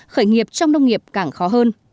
khởi nghiệp trong nông nghiệp càng khó hơn